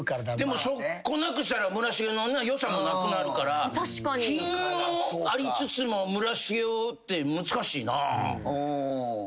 でもそこなくしたら村重のよさがなくなるから品ありつつも村重をって難しいなぁ。